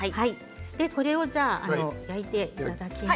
これを焼いていただきます。